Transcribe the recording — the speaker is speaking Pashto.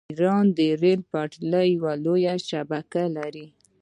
ایران د ریل پټلۍ لویه شبکه لري.